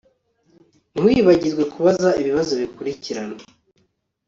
Ntiwibagirwe kubaza ibibazo bikurikirana